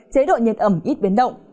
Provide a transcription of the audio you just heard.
chế độ nhiệt ẩm ít biến động